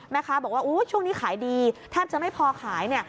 แม่ค้าบอกว่าช่วงนี้ขายดีแทบจะไม่พอขายเนี่ย